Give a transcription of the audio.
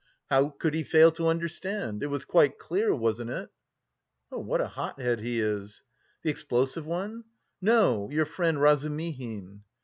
How could he fail to understand it was quite clear, wasn't it?" "What a hot head he is!" "The explosive one?" "No, your friend Razumihin."